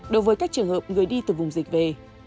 đối với các trường hợp người đi từ vùng dịch về